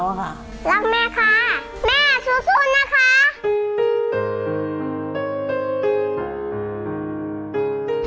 รักแม่ค่ะแม่สู้นะคะ